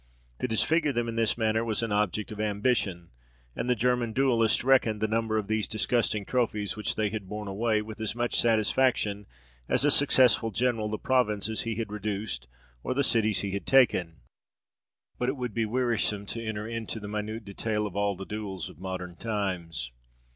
To disfigure them in this manner was an object of ambition, and the German duellists reckoned the number of these disgusting trophies which they had borne away, with as much satisfaction as a successful general the provinces he had reduced or the cities he had taken. But it would be wearisome to enter into the minute detail of all the duels of modern times.